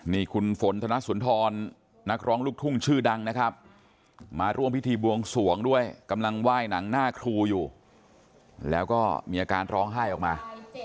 นี่คุณฝนธนสุนทรนักร้องลูกทุ่งชื่อดังนะครับมาร่วมพิธีบวงสวงด้วยกำลังไหว้หนังหน้าครูอยู่แล้วก็มีอาการร้องไห้ออกมา